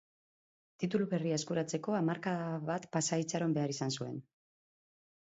Titulu berria eskuratzeko hamarkada bat pasa itxaron behar izan zuen.